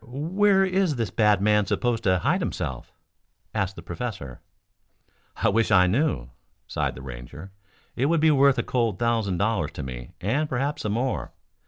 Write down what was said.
"Where where is this bad man supposed to hide himself?" asked the professor. "I wish I knew," sighed the Ranger. "It would be worth a cold thousand dollars to me and perhaps some more.